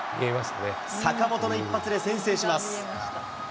坂本の一発で先制します。